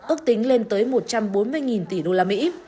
ước tính lên tới một trăm bốn mươi tỷ usd